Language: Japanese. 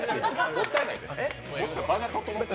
もったいないから。